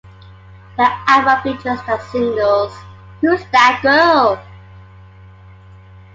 The album features the singles Who's That Girl?